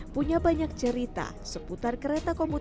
punya banyak cerita seputar krl yang terjadi di jawa barat